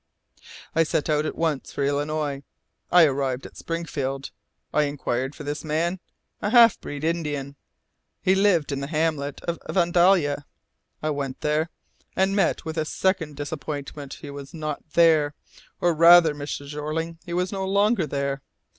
I set out at once for Illinois; I arrived at Springfield; I inquired for this man, a half breed Indian. He lived in the hamlet of Vandalia; I went there, and met with a second disappointment. He was not there, or rather, Mr. Jeorling, he was no longer there.